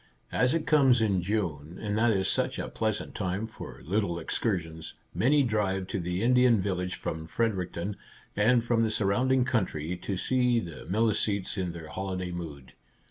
As it comes in June, and that is such a pleasant time for little excursions, many drive to the Indian Village from Fredericton and from the surrounding country, to see the Mili cetes in their holiday mood.